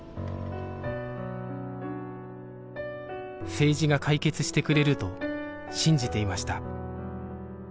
政治が解決してくれると信じていました